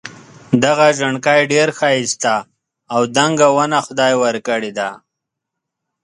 دغه ژڼکی ډېر ښایسته او دنګه ونه خدای ورکړي ده.